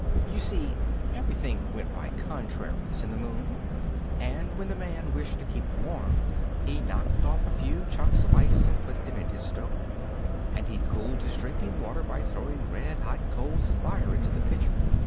You see, everything went by contraries in the Moon, and when the Man wished to keep warm he knocked off a few chunks of ice and put them in his stove; and he cooled his drinking water by throwing red hot coals of fire into the pitcher.